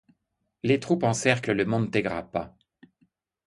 Les troupes encerclent le Monte Grappa.